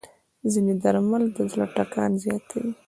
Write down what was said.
ځینې درمل د زړه ټکان زیاتوي.